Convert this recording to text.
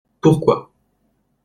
Pourquoi ?